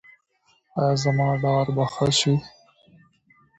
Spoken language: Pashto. ایا زما ډار به ښه شي؟